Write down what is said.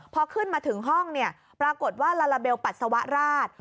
พอขึ้นมาถึงห้องเนี่ยปรากฏว่าลาลาเบลปัสสาวะราช